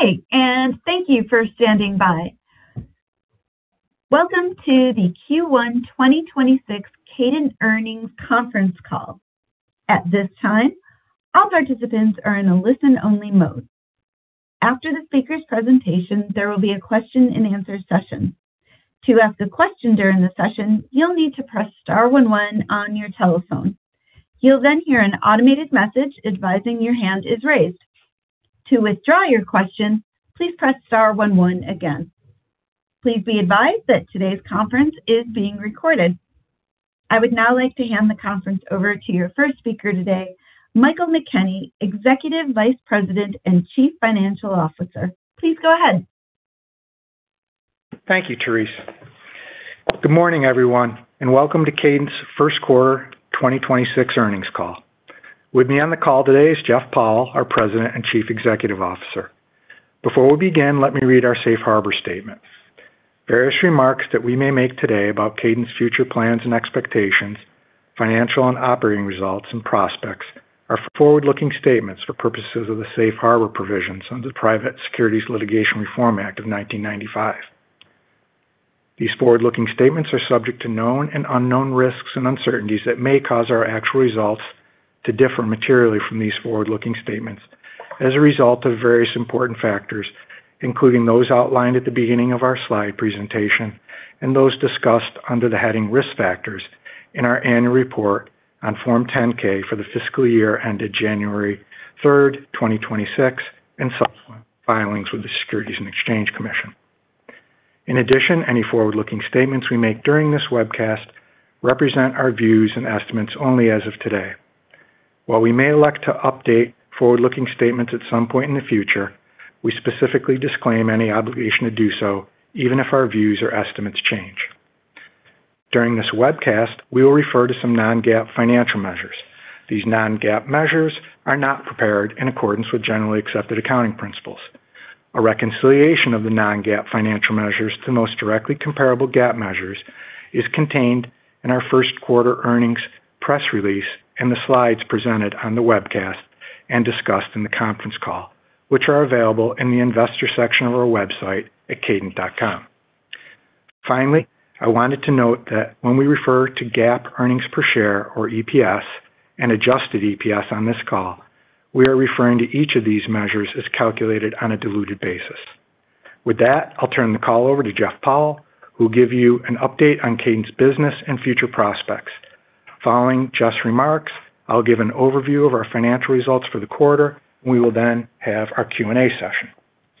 Good day, thank you for standing by. Welcome to the Q1 2026 Kadant Earnings Conference Call. At this time, all participants are in a listen-only mode. After the speaker's presentation, there will be a Q&A session. To ask a question during the session, you'll need to press star one one on your telephone. You'll hear an automated message advising your hand is raised. To withdraw your question, please press star one one again. Please be advised that today's conference is being recorded. I would now like to hand the conference over to your first speaker today, Michael McKenney, Executive Vice President and Chief Financial Officer. Please go ahead. Thank you, Therese. Good morning, everyone, and welcome to Kadant's first quarter 2026 earnings call. With me on the call today is Jeff Powell, our President and Chief Executive Officer. Before we begin, let me read our safe harbor statement. Various remarks that we may make today about Kadant's future plans and expectations, financial and operating results and prospects are forward-looking statements for purposes of the safe harbor provisions under the Private Securities Litigation Reform Act of 1995. These forward-looking statements are subject to known and unknown risks and uncertainties that may cause our actual results to differ materially from these forward-looking statements as a result of various important factors, including those outlined at the beginning of our slide presentation and those discussed under the heading Risk Factors in our annual report on Form 10-K for the fiscal year ended January 3rd, 2026, and subsequent filings with the Securities and Exchange Commission. In addition, any forward-looking statements we make during this webcast represent our views and estimates only as of today. While we may elect to update forward-looking statements at some point in the future, we specifically disclaim any obligation to do so even if our views or estimates change. During this webcast, we will refer to some non-GAAP financial measures. These non-GAAP measures are not prepared in accordance with generally accepted accounting principles. A reconciliation of the non-GAAP financial measures to the most directly comparable GAAP measures is contained in our first quarter earnings press release and the slides presented on the webcast and discussed in the conference call, which are available in the investor section of our website at kadant.com. Finally, I wanted to note that when we refer to GAAP earnings per share or EPS and adjusted EPS on this call, we are referring to each of these measures as calculated on a diluted basis. With that, I'll turn the call over to Jeff Powell, who will give you an update on Kadant's business and future prospects. Following Jeff's remarks, I'll give an overview of our financial results for the quarter. We will then have our Q&A session.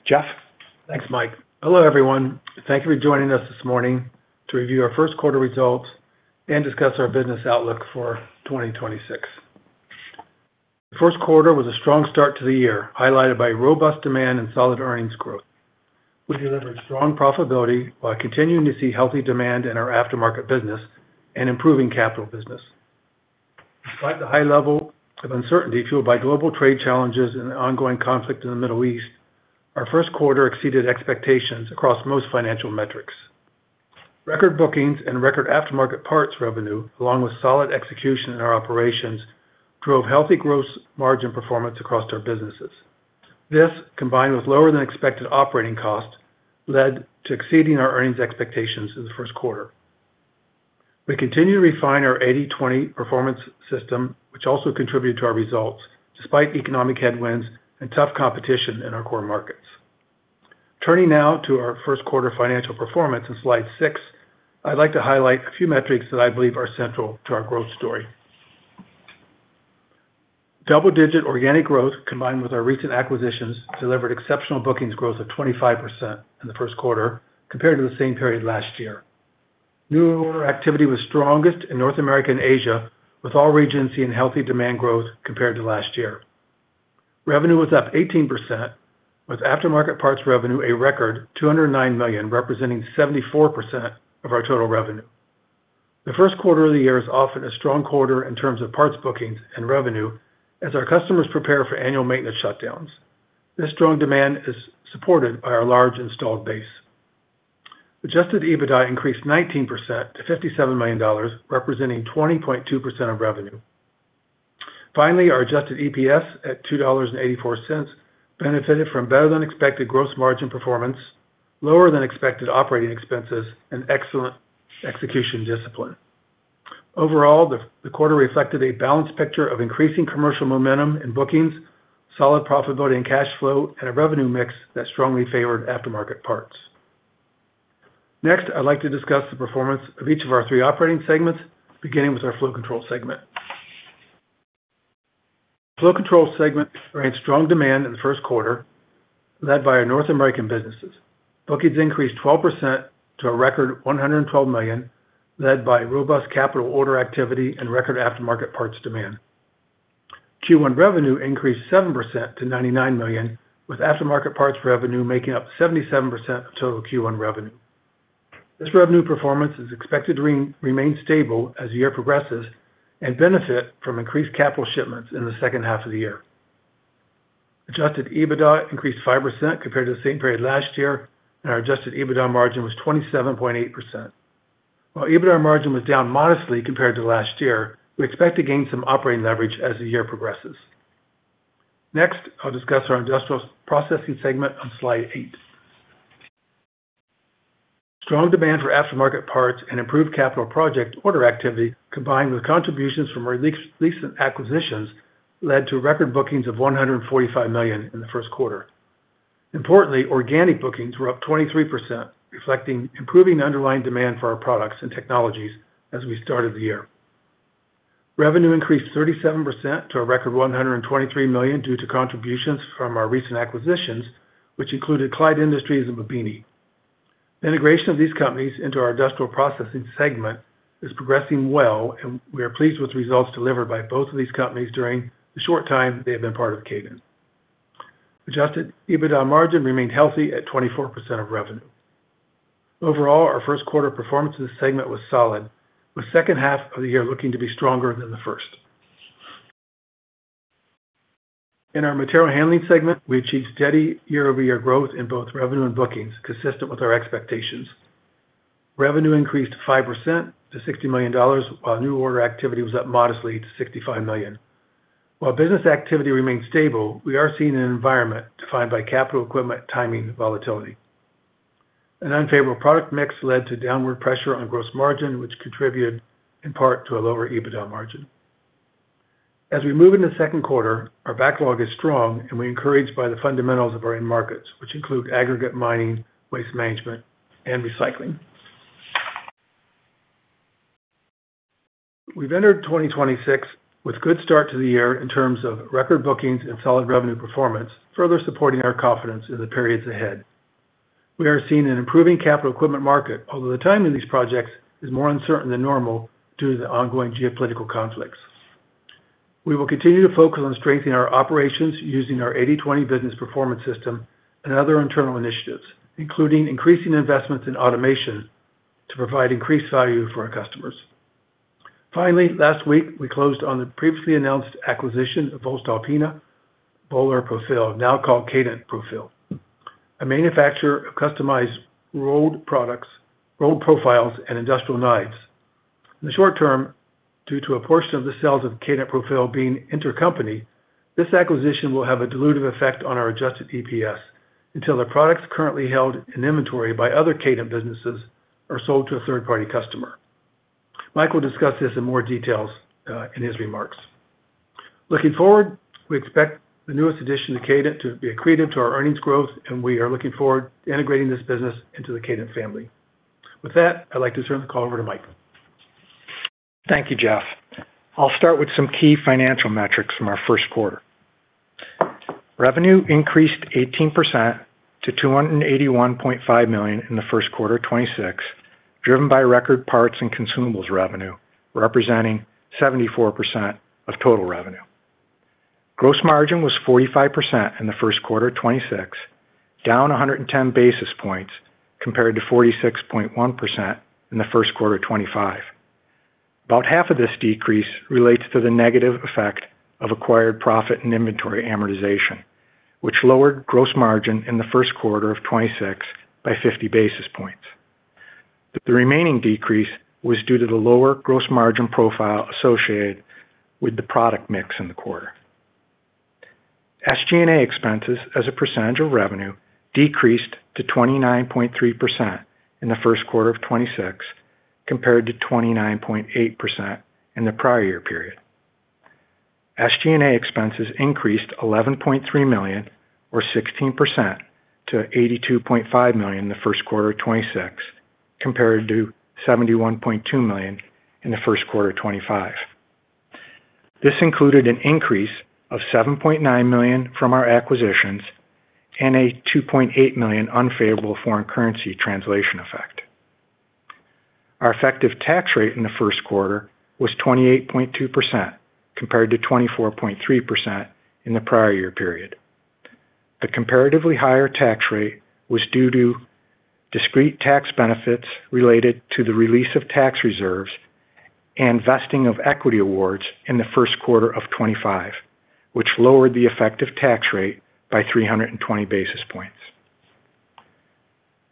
Jeff? Thanks, Mike. Hello, everyone. Thank you for joining us this morning to review our first quarter results and discuss our business outlook for 2026. The first quarter was a strong start to the year, highlighted by robust demand and solid earnings growth. We delivered strong profitability while continuing to see healthy demand in our aftermarket business and improving capital business. Despite the high level of uncertainty fueled by global trade challenges and the ongoing conflict in the Middle East, our first quarter exceeded expectations across most financial metrics. Record bookings and record aftermarket parts revenue, along with solid execution in our operations, drove healthy gross margin performance across our businesses. This, combined with lower than expected operating costs, led to exceeding our earnings expectations in the first quarter. We continue to refine our 80/20 performance system, which also contributed to our results despite economic headwinds and tough competition in our core markets. Turning now to our first quarter financial performance on slide six, I'd like to highlight a few metrics that I believe are central to our growth story. Double-digit organic growth combined with our recent acquisitions delivered exceptional bookings growth of 25% in the first quarter compared to the same period last year. New order activity was strongest in North America and Asia, with all regions seeing healthy demand growth compared to last year. Revenue was up 18%, with aftermarket parts revenue a record $209 million, representing 74% of our total revenue. The first quarter of the year is often a strong quarter in terms of parts bookings and revenue as our customers prepare for annual maintenance shutdowns. This strong demand is supported by our large installed base. Adjusted EBITDA increased 19% to $57 million, representing 20.2% of revenue. Our adjusted EPS at $2.84 benefited from better than expected gross margin performance, lower than expected operating expenses, and excellent execution discipline. The quarter reflected a balanced picture of increasing commercial momentum in bookings, solid profitability and cash flow, and a revenue mix that strongly favored aftermarket parts. I'd like to discuss the performance of each of our three operating segments, beginning with our Flow Control segment. Flow Control segment experienced strong demand in the first quarter led by our North American businesses. Bookings increased 12% to a record $112 million, led by robust capital order activity and record aftermarket parts demand. Q1 revenue increased 7% to $99 million, with aftermarket parts revenue making up 77% of total Q1 revenue. This revenue performance is expected to remain stable as the year progresses and benefit from increased capital shipments in the second half of the year. Adjusted EBITDA increased 5% compared to the same period last year, and our adjusted EBITDA margin was 27.8%. While EBITDA margin was down modestly compared to last year, we expect to gain some operating leverage as the year progresses. Next, I'll discuss our Industrial Processing segment on slide eight. Strong demand for aftermarket parts and improved capital project order activity, combined with contributions from our recent acquisitions, led to record bookings of $145 million in the first quarter. Importantly, organic bookings were up 23%, reflecting improving underlying demand for our products and technologies as we started the year. Revenue increased 37% to a record $123 million due to contributions from our recent acquisitions, which included Clyde Industries and Babbini. The integration of these companies into our Industrial Processing segment is progressing well, and we are pleased with the results delivered by both of these companies during the short time they have been part of Kadant. Adjusted EBITDA margin remained healthy at 24% of revenue. Overall, our first quarter performance of this segment was solid, with second half of the year looking to be stronger than the first. In our Material Handling segment, we achieved steady year-over-year growth in both revenue and bookings, consistent with our expectations. Revenue increased 5% to $60 million, while new order activity was up modestly to $65 million. While business activity remains stable, we are seeing an environment defined by capital equipment timing volatility. An unfavorable product mix led to downward pressure on gross margin, which contributed in part to a lower EBITDA margin. As we move into the second quarter, our backlog is strong, and we're encouraged by the fundamentals of our end markets, which include aggregate mining, waste management, and recycling. We've entered 2026 with good start to the year in terms of record bookings and solid revenue performance, further supporting our confidence in the periods ahead. We are seeing an improving capital equipment market, although the timing of these projects is more uncertain than normal due to the ongoing geopolitical conflicts. We will continue to focus on strengthening our operations using our 80/20 business performance system and other internal initiatives, including increasing investments in automation to provide increased value for our customers. Finally, last week, we closed on the previously announced acquisition of voestalpine BÖHLER Profil, now called Kadant Profil, a manufacturer of customized rolled products, rolled profiles, and industrial knives. In the short term, due to a portion of the sales of Kadant Profil being intercompany, this acquisition will have a dilutive effect on our adjusted EPS until the products currently held in inventory by other Kadant businesses are sold to a third-party customer. Mike will discuss this in more details in his remarks. Looking forward, we expect the newest addition to Kadant to be accretive to our earnings growth, and we are looking forward to integrating this business into the Kadant family. With that, I'd like to turn the call over to Mike. Thank you, Jeff. I'll start with some key financial metrics from our first quarter. Revenue increased 18% to $281.5 million in the first quarter of 2026, driven by record parts and consumables revenue, representing 74% of total revenue. Gross margin was 45% in the first quarter of 2026, down 110 basis points compared to 46.1% in the first quarter of 2025. About half of this decrease relates to the negative effect of acquired profit in inventory amortization, which lowered gross margin in the first quarter of 2026 by 50 basis points. The remaining decrease was due to the lower gross margin profile associated with the product mix in the quarter. SG&A expenses as a percentage of revenue decreased to 29.3% in the first quarter of 2026, compared to 29.8% in the prior year period. SG&A expenses increased $11.3 million or 16% to $82.5 million in the first quarter of 2026, compared to $71.2 million in the first quarter of 2025. This included an increase of $7.9 million from our acquisitions and a $2.8 million unfavorable foreign currency translation effect. Our effective tax rate in the first quarter was 28.2%, compared to 24.3% in the prior year period. The comparatively higher tax rate was due to discrete tax benefits related to the release of tax reserves and vesting of equity awards in the first quarter of 2025, which lowered the effective tax rate by 320 basis points.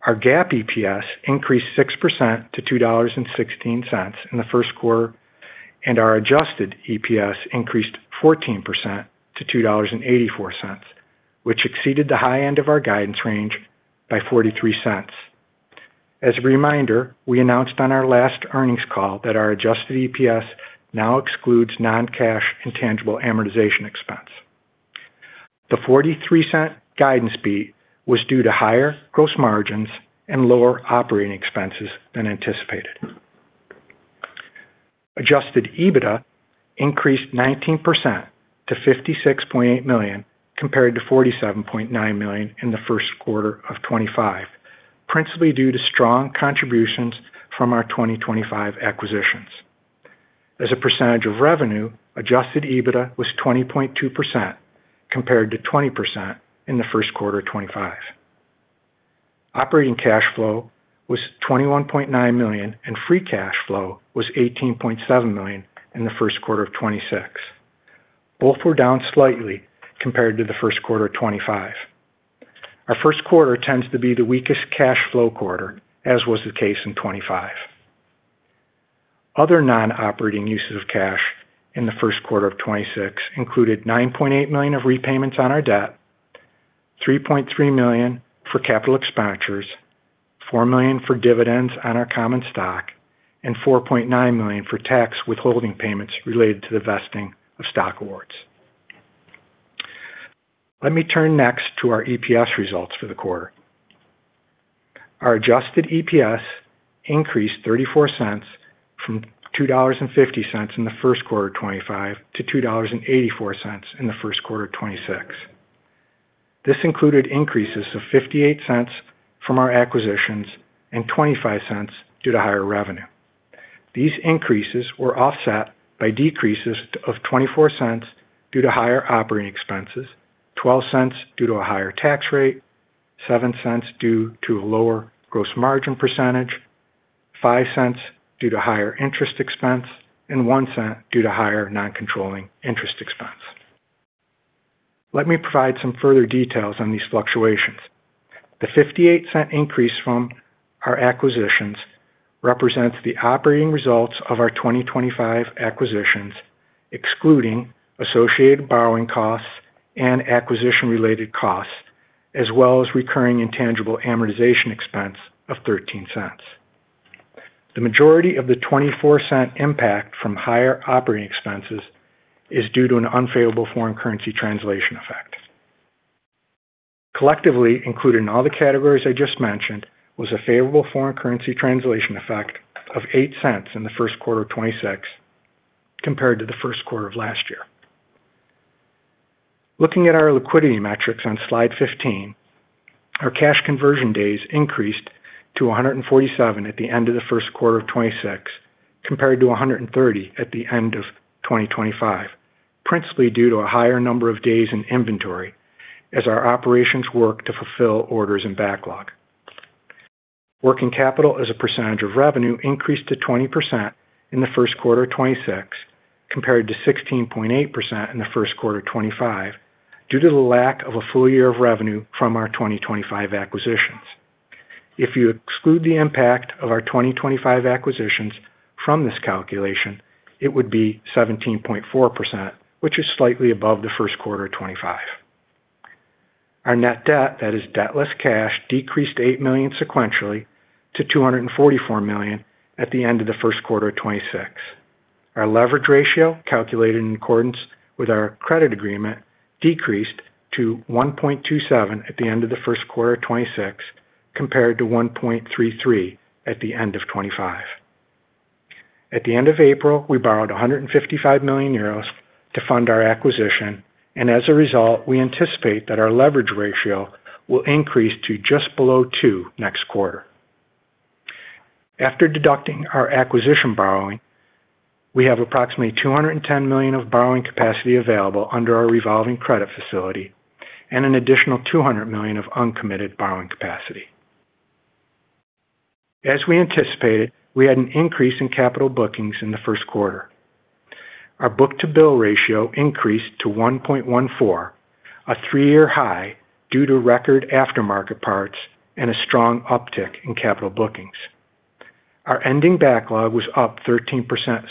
Our GAAP EPS increased 6% to $2.16 in the first quarter, and our adjusted EPS increased 14% to $2.84, which exceeded the high end of our guidance range by $0.43. As a reminder, we announced on our last earnings call that our adjusted EPS now excludes non-cash intangible amortization expense. The $0.43 guidance beat was due to higher gross margins and lower operating expenses than anticipated. Adjusted EBITDA increased 19% to $56.8 million, compared to $47.9 million in the first quarter of 2025, principally due to strong contributions from our 2025 acquisitions. As a percentage of revenue, adjusted EBITDA was 20.2% compared to 20% in the first quarter of 2025. Operating cash flow was $21.9 million, and free cash flow was $18.7 million in the first quarter of 2026. Both were down slightly compared to the first quarter of 2025. Our first quarter tends to be the weakest cash flow quarter, as was the case in 2025. Other non-operating uses of cash in the first quarter of 2026 included $9.8 million of repayments on our debt, $3.3 million for capital expenditures, $4 million for dividends on our common stock, and $4.9 million for tax withholding payments related to the vesting of stock awards. Let me turn next to our EPS results for the quarter. Our adjusted EPS increased $0.34 from $2.50 in the first quarter of 2025 to $2.84 in the first quarter of 2026. This included increases of $0.58 from our acquisitions and $0.25 due to higher revenue. These increases were offset by decreases of $0.24 due to higher operating expenses, $0.12 due to a higher tax rate, $0.07 due to a lower gross margin percentage, $0.05 due to higher interest expense, and $0.01 due to higher non-controlling interest expense. Let me provide some further details on these fluctuations. The $0.58 increase from our acquisitions represents the operating results of our 2025 acquisitions, excluding associated borrowing costs and acquisition-related costs, as well as recurring intangible amortization expense of $0.13. The majority of the $0.24 impact from higher operating expenses is due to an unfavorable foreign currency translation effect. Collectively, including all the categories I just mentioned, was a favorable foreign currency translation effect of $0.08 in the first quarter of 2026 compared to the first quarter of last year. Looking at our liquidity metrics on slide 15, our cash conversion cycle increased to 147 at the end of the first quarter of 2026 compared to 130 at the end of 2025, principally due to a higher number of days in inventory as our operations work to fulfill orders and backlog. Working capital as a percentage of revenue increased to 20% in the first quarter of 2026 compared to 16.8% in the first quarter of 2025 due to the lack of a full year of revenue from our 2025 acquisitions. If you exclude the impact of our 2025 acquisitions from this calculation, it would be 17.4%, which is slightly above the first quarter of 2025. Our net debt, that is debt less cash, decreased $8 million sequentially to $244 million at the end of the first quarter of 2026. Our leverage ratio, calculated in accordance with our credit agreement, decreased to 1.27x at the end of the first quarter of 2026 compared to 1.33x at the end of 2025. At the end of April, we borrowed 155 million euros to fund our acquisition, as a result, we anticipate that our leverage ratio will increase to just below 2x next quarter. After deducting our acquisition borrowing, we have approximately $210 million of borrowing capacity available under our revolving credit facility and an additional $200 million of uncommitted borrowing capacity. As we anticipated, we had an increase in capital bookings in the first quarter. Our book-to-bill ratio increased to 1.14x, a three-year high, due to record aftermarket parts and a strong uptick in capital bookings. Our ending backlog was up 13%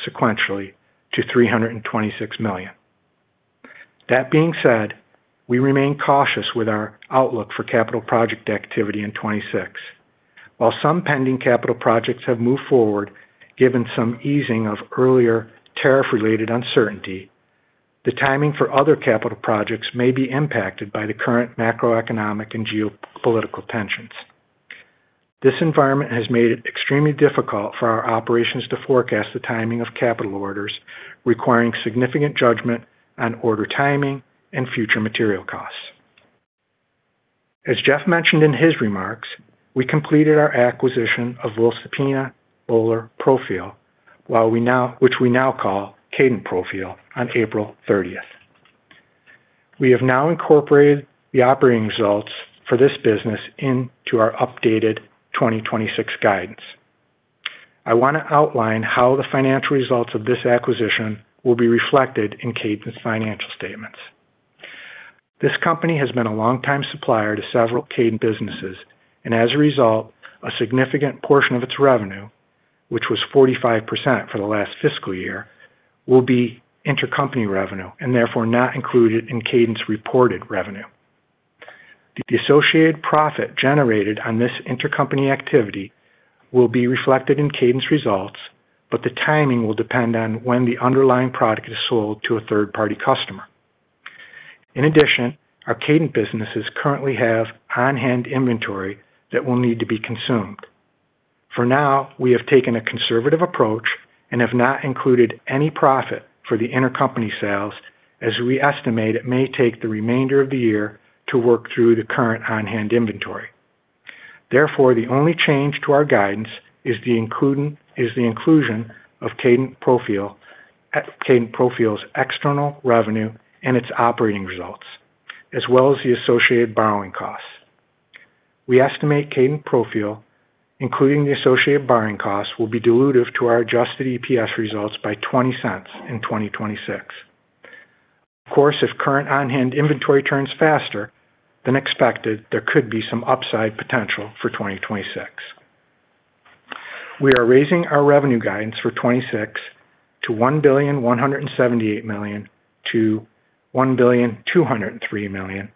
sequentially to $326 million. That being said, we remain cautious with our outlook for capital project activity in 2026. While some pending capital projects have moved forward, given some easing of earlier tariff-related uncertainty, the timing for other capital projects may be impacted by the current macroeconomic and geopolitical tensions. This environment has made it extremely difficult for our operations to forecast the timing of capital orders, requiring significant judgment on order timing and future material costs. As Jeff mentioned in his remarks, we completed our acquisition of voestalpine BÖHLER Profil, which we now call Kadant Profil, on April 30th. We have now incorporated the operating results for this business into our updated 2026 guidance. I want to outline how the financial results of this acquisition will be reflected in Kadant's financial statements. This company has been a long-time supplier to several Kadant businesses. As a result, a significant portion of its revenue, which was 45% for the last fiscal year, will be intercompany revenue and therefore not included in Kadant's reported revenue. The associated profit generated on this intercompany activity will be reflected in Kadant's results. The timing will depend on when the underlying product is sold to a third-party customer. In addition, our Kadant businesses currently have on-hand inventory that will need to be consumed. For now, we have taken a conservative approach and have not included any profit for the intercompany sales, as we estimate it may take the remainder of the year to work through the current on-hand inventory. Therefore, the only change to our guidance is the inclusion of Kadant Profil's external revenue and its operating results, as well as the associated borrowing costs. We estimate Kadant Profil, including the associated borrowing costs, will be dilutive to our adjusted EPS results by $0.20 in 2026. If current on-hand inventory turns faster than expected, there could be some upside potential for 2026. We are raising our revenue guidance for 2026 to $1.178 billion-$1.203 billion,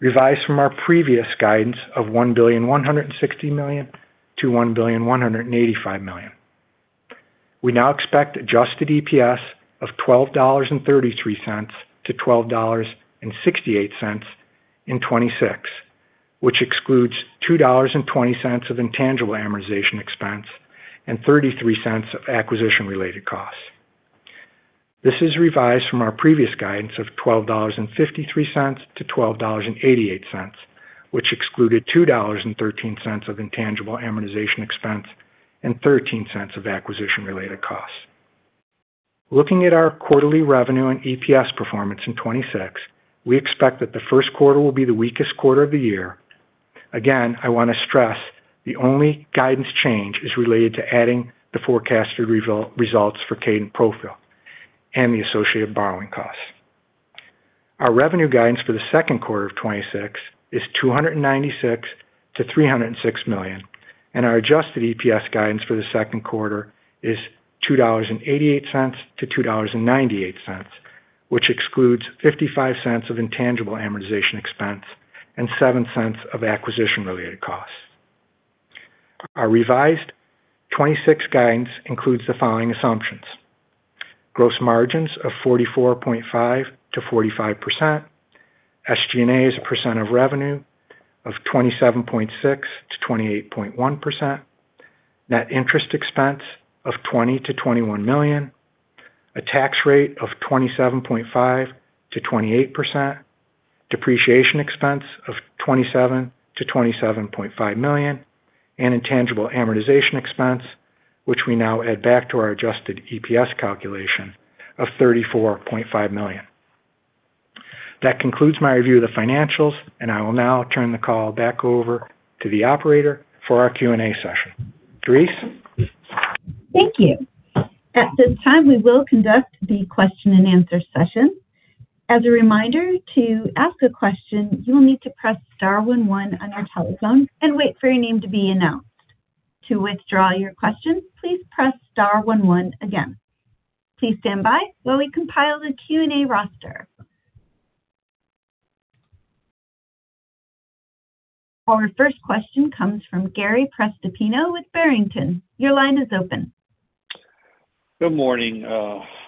revised from our previous guidance of $1.160 billion-$1.185 billion. We now expect adjusted EPS of $12.33-$12.68 in 2026, which excludes $2.20 of intangible amortization expense and $0.33 of acquisition-related costs. This is revised from our previous guidance of $12.53-$12.88, which excluded $2.13 of intangible amortization expense and $0.13 of acquisition-related costs. Looking at our quarterly revenue and EPS performance in 2026, we expect that the first quarter will be the weakest quarter of the year. Again, I want to stress the only guidance change is related to adding the forecasted results for Kadant Profil and the associated borrowing costs. Our revenue guidance for the second quarter of 2026 is $296 million-$306 million, and our adjusted EPS guidance for the second quarter is $2.88-$2.98, which excludes $0.55 of intangible amortization expense and $0.07 of acquisition-related costs. Our revised 2026 guidance includes the following assumptions: Gross margins of 44.5%-45%, SG&A as a percent of revenue of 27.6%-28.1%, net interest expense of $20 million-$21 million, a tax rate of 27.5%-28%, depreciation expense of $27 million-$27.5 million, and intangible amortization expense, which we now add back to our adjusted EPS calculation of $34.5 million. That concludes my review of the financials. I will now turn the call back over to the operator for our Q&A session. Therese? Thank you. At this time, we will conduct the Q&A session. As a reminder, to ask a question, you will need to press star one one on your telephone and wait for your name to be announced. To withdraw your question, please press star one one again. Please stand by while we compile the Q&A roster. Our first question comes from Gary Prestopino with Barrington. Your line is open. Good morning,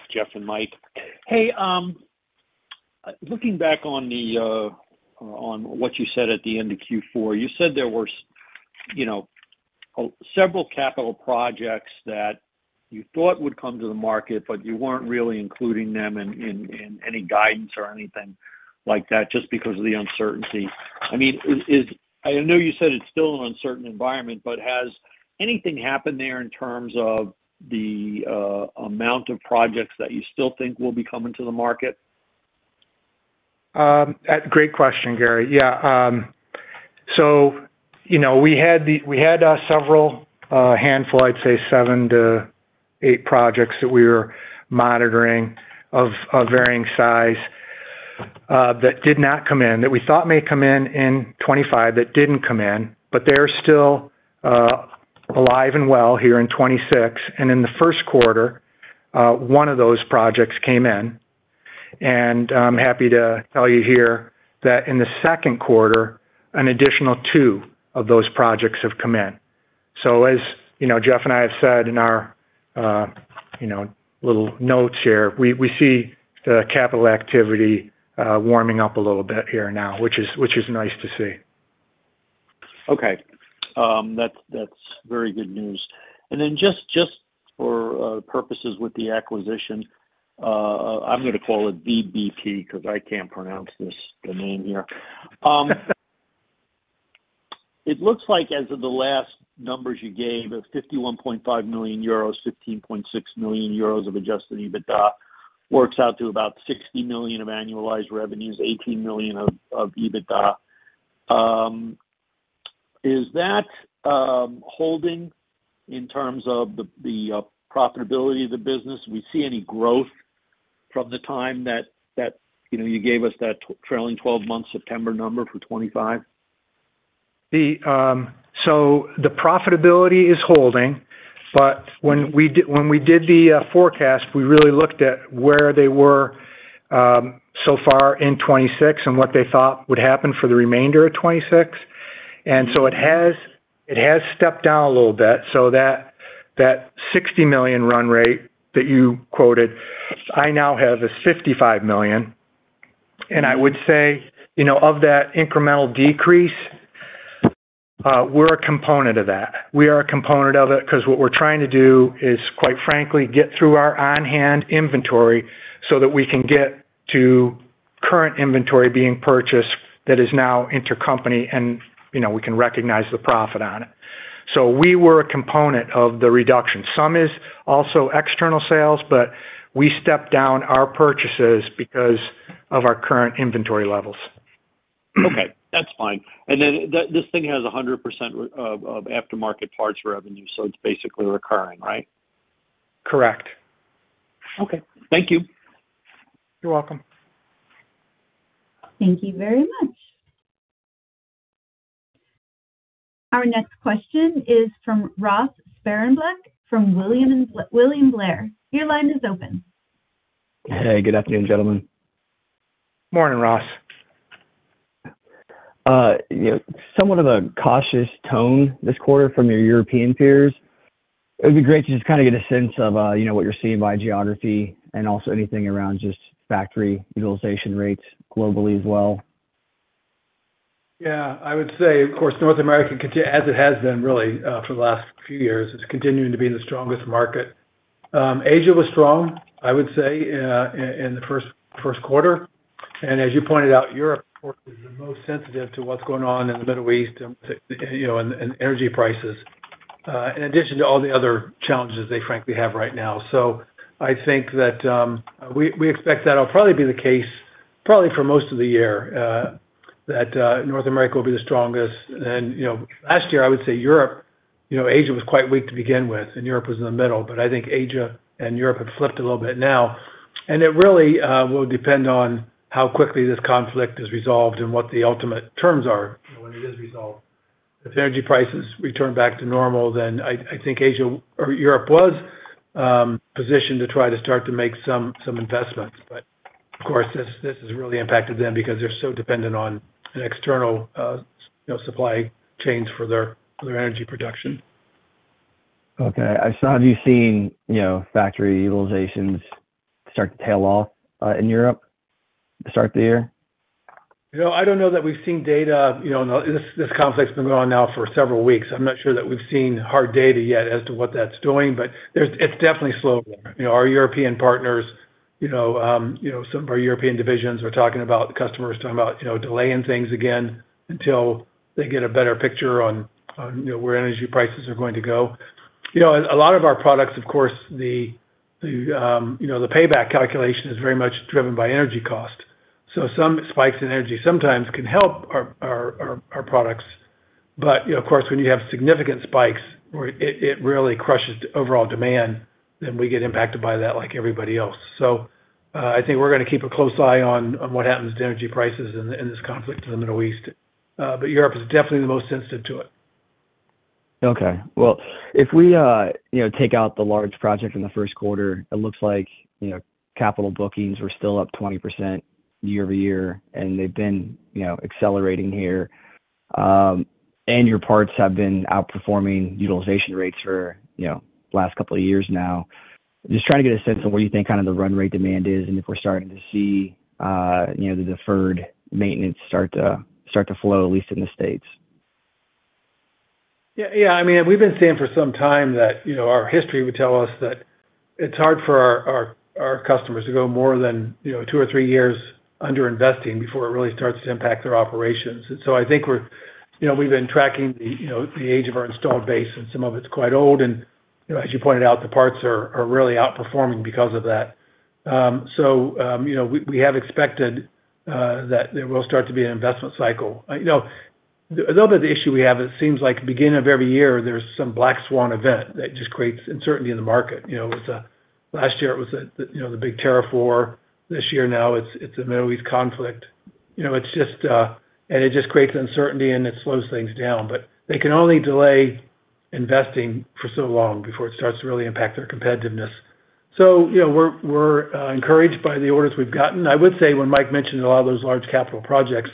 Jeff and Mike. Hey, looking back on what you said at the end of Q4, you said there were you know, several capital projects that you thought would come to the market, but you weren't really including them in any guidance or anything like that just because of the uncertainty. I mean, is I know you said it's still an uncertain environment, but has anything happened there in terms of the amount of projects that you still think will be coming to the market? Great question, Gary. Yeah. So, you know, we had several, handful, I'd say seven to eight projects that we were monitoring of varying size, that did not come in, that we thought may come in in 2025 that didn't come in, but they're still alive and well here in 2026. In the first quarter, one of those projects came in, and I'm happy to tell you here that in the second quarter, an additional two of those projects have come in. As, you know, Jeff and I have said in our, you know, little notes here, we see the capital activity warming up a little bit here now, which is nice to see. Okay. That's very good news. Just for purposes with the acquisition, I'm gonna call it VBP because I can't pronounce this, the name here. It looks like as of the last numbers you gave of 51.5 million euros, 16.6 million euros of adjusted EBITDA works out to about 60 million of annualized revenues, 18 million of EBITDA. Is that holding in terms of the profitability of the business? Do we see any growth from the time that, you know, you gave us that trailing twelve-month September number for 2025? The profitability is holding, but when we did the forecast, we really looked at where they were so far in FY 2026 and what they thought would happen for the remainder of FY 2026. It has stepped down a little bit, so that $60 million run rate that you quoted, I now have as $55 million. I would say, you know, of that incremental decrease, we're a component of that. We are a component of it because what we're trying to do is, quite frankly, get through our on-hand inventory so that we can get to current inventory being purchased that is now intercompany and, you know, we can recognize the profit on it. We were a component of the reduction. Some is also external sales, but we stepped down our purchases because of our current inventory levels. Okay, that's fine. This thing has 100% of aftermarket parts revenue, so it's basically recurring, right? Correct. Okay. Thank you. You're welcome. Thank you very much. Our next question is from Ross Sparenblek from William Blair. Your line is open. Hey, good afternoon, gentlemen. Morning, Ross. You know, somewhat of a cautious tone this quarter from your European peers. It would be great to just kind of get a sense of, you know, what you're seeing by geography and also anything around just factory utilization rates globally as well. Yeah, I would say, of course, North America as it has been really for the last few years, is continuing to be the strongest market. Asia was strong, I would say, in the first quarter. As you pointed out, Europe, of course, is the most sensitive to what's going on in the Middle East and, you know, and energy prices, in addition to all the other challenges they frankly have right now. I think that we expect that'll probably be the case probably for most of the year, that North America will be the strongest. You know, last year, I would say Europe, you know, Asia was quite weak to begin with, and Europe was in the middle. I think Asia and Europe have flipped a little bit now. It really will depend on how quickly this conflict is resolved and what the ultimate terms are, you know, when it is resolved. If energy prices return back to normal, I think Asia or Europe was positioned to try to start to make some investments. Of course, this has really impacted them because they're so dependent on an external, you know, supply chains for their, for their energy production. Okay. I saw you've seen, you know, factory utilizations start to tail off, in Europe to start the year. You know, I don't know that we've seen data. You know, this conflict's been going on now for several weeks. I'm not sure that we've seen hard data yet as to what that's doing, but it's definitely slower. You know, our European partners, you know, some of our European divisions are talking about customers talking about, you know, delaying things again until they get a better picture on, you know, where energy prices are going to go. You know, a lot of our products, of course, the, you know, the payback calculation is very much driven by energy cost. Some spikes in energy sometimes can help our products. You know, of course, when you have significant spikes where it really crushes overall demand, then we get impacted by that like everybody else. I think we're gonna keep a close eye on what happens to energy prices in this conflict in the Middle East. Europe is definitely the most sensitive to it. Okay. Well, if we, you know, take out the large project in the first quarter, it looks like, you know, capital bookings were still up 20% year-over-year, and they've been, you know, accelerating here. Your parts have been outperforming utilization rates for, you know, last couple of years now. Just trying to get a sense of where you think kind of the run rate demand is, and if we're starting to see, you know, the deferred maintenance start to flow, at least in the U.S. Yeah, yeah. I mean, we've been saying for some time that, you know, our history would tell us that it's hard for our customers to go more than, you know, two or three years under investing before it really starts to impact their operations. I think we're, you know, we've been tracking the, you know, the age of our installed base, and some of it's quite old. You know, as you pointed out, the parts are really outperforming because of that. You know, we have expected that there will start to be an investment cycle. You know, a little bit of the issue we have, it seems like beginning of every year, there's some black swan event that just creates uncertainty in the market. You know, it's last year it was the, you know, the big tariff war. This year now it's a Middle East conflict. You know, it just creates uncertainty, and it slows things down. They can only delay investing for so long before it starts to really impact their competitiveness. You know, we're encouraged by the orders we've gotten. I would say when Mike mentioned a lot of those large capital projects,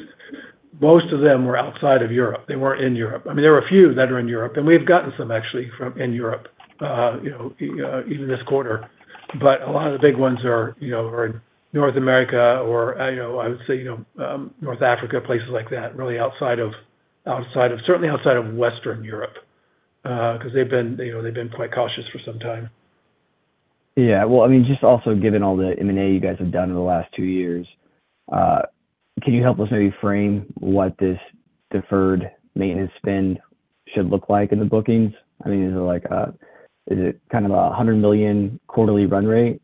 most of them were outside of Europe. They weren't in Europe. I mean, there are a few that are in Europe, and we've gotten some actually from in Europe, you know, even this quarter. A lot of the big ones are, you know, are in North America or, you know, I would say, you know, North Africa, places like that, certainly outside of Western Europe, 'cause they've been, you know, they've been quite cautious for some time. Yeah. Well, I mean, just also given all the M&A you guys have done in the last two years, can you help us maybe frame what this deferred maintenance spend should look like in the bookings? I mean, is it like, is it kind of a $100 million quarterly run rate?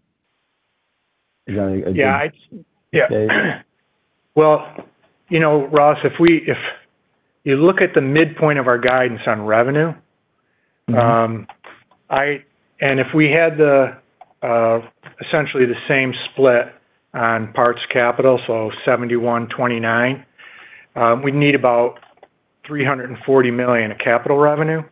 Yeah. Yeah. Well, you know, Ross, if you look at the midpoint of our guidance on revenue- If we had the essentially the same split on parts capital, so 71%, 29%, we'd need about $340 million of capital revenue.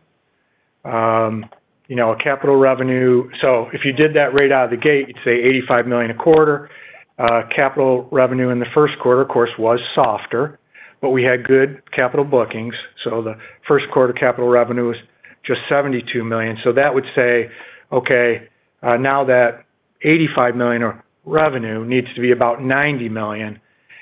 You know, if you did that right out of the gate, you'd say $85 million a quarter. Capital revenue in the first quarter, of course, was softer, but we had good capital bookings. The first quarter capital revenue was just $72 million. That would say, okay, now that $85 million of revenue needs to be about $90 million.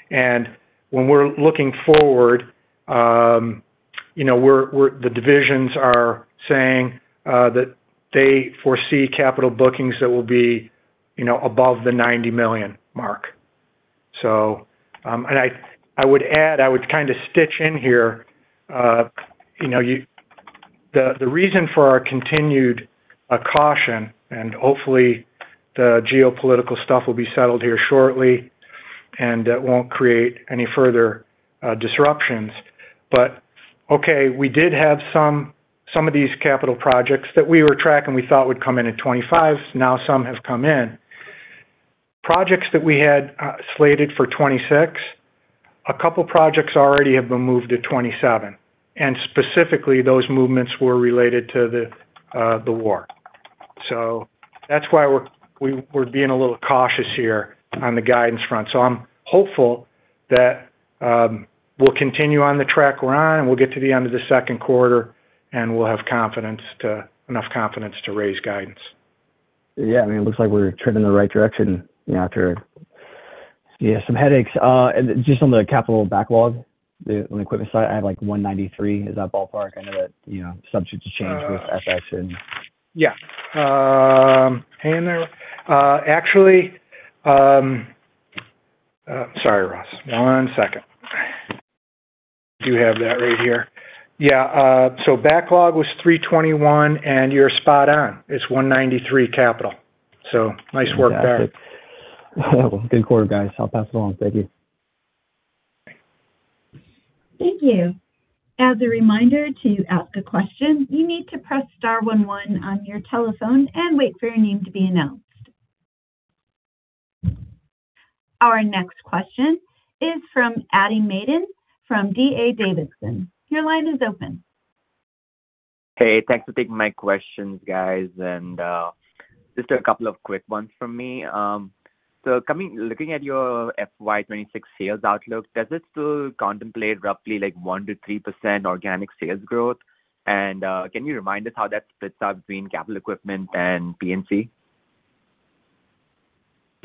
When we're looking forward, you know, the divisions are saying that they foresee capital bookings that will be, you know, above the $90 million mark. I would add, I would kind of stitch in here, you know. The reason for our continued caution, hopefully the geopolitical stuff will be settled here shortly, and that won't create any further disruptions. We did have some of these capital projects that we were tracking, we thought would come in at 2025, now some have come in. Projects that we had slated for 2026, a couple projects already have been moved to 2027, specifically, those movements were related to the war. That's why we're being a little cautious here on the guidance front. I'm hopeful that we'll continue on the track we're on, we'll get to the end of the second quarter, we'll have confidence to enough confidence to raise guidance. I mean, it looks like we're trending in the right direction, you know, after some headaches. Just on the capital backlog, on the equipment side, I have like $193. Is that ballpark? I know that, you know, substitutes change with FX. Yeah. Hang in there. Actually, sorry, Ross. One second. I do have that right here. Yeah. Backlog was $321, you're spot on. It's $193 capital. Nice work there. Fantastic. Good quarter, guys. I'll pass it along. Thank you. Thank you. As a reminder, to ask a question, you need to press star one one on your telephone and wait for your name to be announced. Our next question is from Aditya Madan from D.A. Davidson. Your line is open. Hey, thanks for taking my questions, guys. Just a couple of quick ones from me. Looking at your FY 2026 sales outlook, does it still contemplate roughly like 1%-3% organic sales growth? Can you remind us how that splits up between capital equipment and P&C?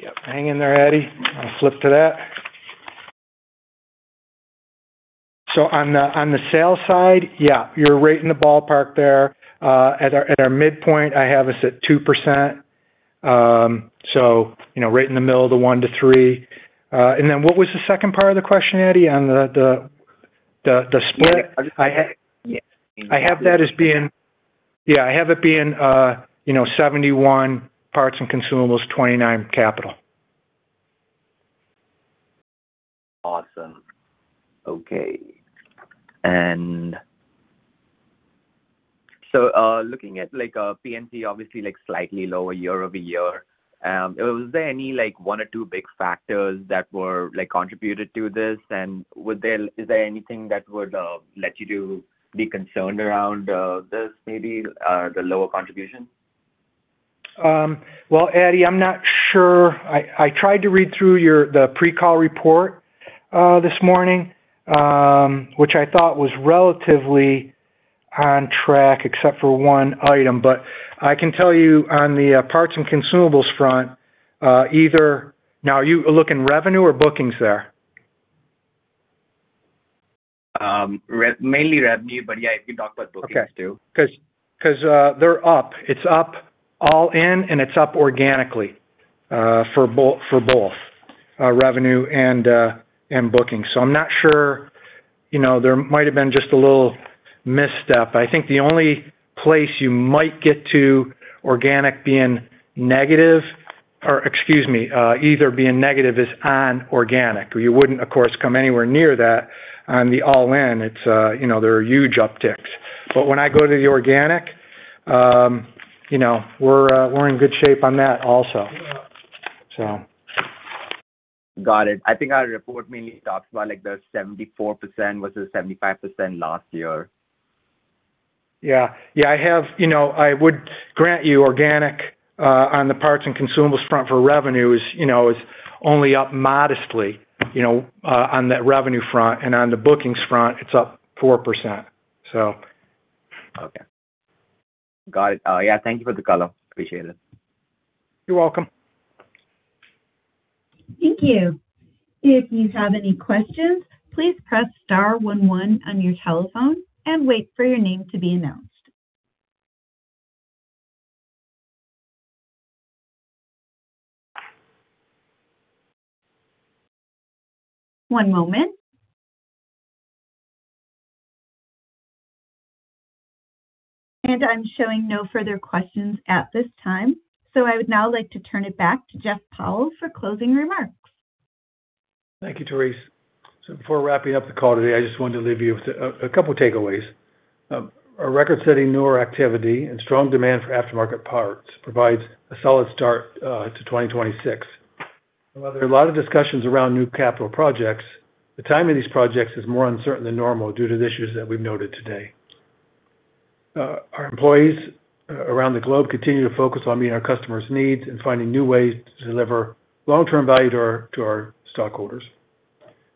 Yep. Hang in there, Adi. I'll flip to that. On the sales side, yeah, you're right in the ballpark there. At our midpoint, I have us at 2%. You know, right in the middle of the 1%-3%. What was the second part of the question, Adi, on the split? Yeah. I ha- Yeah. I have it being, you know, 71% parts and consumables, 29% capital. Awesome. Okay. Looking at like P&C, obviously like slightly lower year-over-year, was there any like one or two big factors that were like contributed to this? Is there anything that would lead you to be concerned around this maybe the lower contribution? Well, Adi, I'm not sure. I tried to read through your pre-call report this morning, which I thought was relatively on track except for one item. I can tell you on the parts and consumables front, either Now are you looking revenue or bookings there? Mainly revenue, but yeah, if you talk about bookings too. Okay. 'Cause they're up. It's up all in, and it's up organically for both revenue and bookings. I'm not sure. You know, there might have been just a little misstep. I think the only place you might get to organic being negative or, excuse me, either being negative is on organic. You wouldn't, of course, come anywhere near that on the all-in. It's, you know, there are huge upticks. When I go to the organic, you know, we're in good shape on that also. Got it. I think our report mainly talks about like the 74% versus 75% last year. Yeah. Yeah, you know, I would grant you organic on the parts and consumables front for revenue is, you know, is only up modestly, you know, on that revenue front. On the bookings front, it's up 4%. Okay. Got it. Yeah, thank you for the color. Appreciate it. You're welcome. Thank you. If you have any questions, please press star one one on your telephone and wait for your name to be announced. One moment. I'm showing no further questions at this time. I would now like to turn it back to Jeff Powell for closing remarks. Thank you, Therese. Before wrapping up the call today, I just wanted to leave you with a couple takeaways. Our record-setting newer activity and strong demand for aftermarket parts provides a solid start to 2026. While there are a lot of discussions around new capital projects, the timing of these projects is more uncertain than normal due to the issues that we've noted today. Our employees around the globe continue to focus on meeting our customers' needs and finding new ways to deliver long-term value to our stockholders.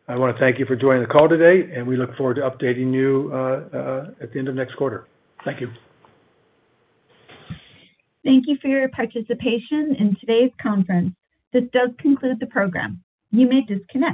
I wanna thank you for joining the call today, and we look forward to updating you at the end of next quarter. Thank you. Thank you for your participation in today's conference. This does conclude the program. You may disconnect.